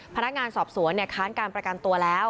พนักงานสอบสวนค้านการประกันตัวแล้ว